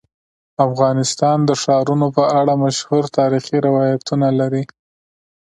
افغانستان د ښارونه په اړه مشهور تاریخی روایتونه لري.